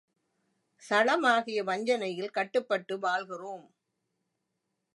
சளமாகிய வஞ்சனையில் கட்டுப்பட்டு வாழ்கிறோம்.